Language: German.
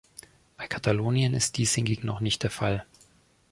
Bei Katalonien ist dies hingegen noch nicht der Fall.